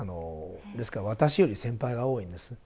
ですから私より先輩が多いんです。